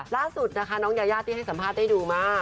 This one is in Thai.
ล่าสุดนะคะน้องยายาที่ให้สัมภาษณ์ได้ดูมา